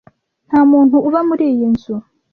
Nta muntu uba muri iyi nzu.